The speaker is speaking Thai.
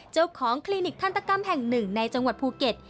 คลินิกทันตกรรมแห่งหนึ่งในจังหวัดภูเก็ต